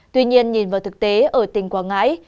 tuy nhiên nhìn vào thực tế ở tỉnh quảng ngãi